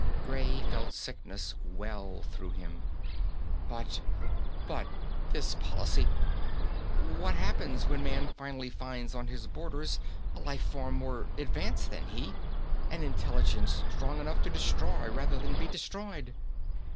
Gray felt sickness well through him "But ... but this policy.... What happens when man finally finds on his borders a life form more advanced than he an intelligence strong enough to destroy rather than be destroyed?"